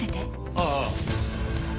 ああ。